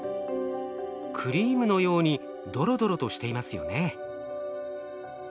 クリームのようにドロドロとしていますよね。